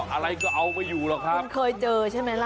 อะไรก็เอาไปอยู่แล้วครับคุณเคยเจอใช่ไหมล่ะ